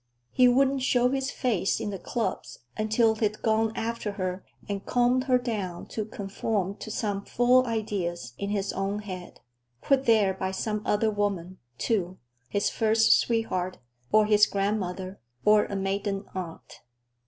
He wouldn't show his face in the clubs until he'd gone after her and combed her down to conform to some fool idea in his own head—put there by some other woman, too, his first sweetheart or his grandmother or a maiden aunt.